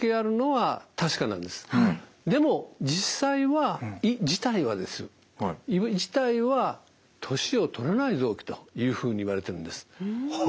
でも実際は胃自体はですよ胃自体は年をとらない臓器というふうにいわれてるんです。